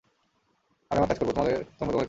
আমি আমার কাজ করবো, তোমরা তোমাদের কাজ।